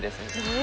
え！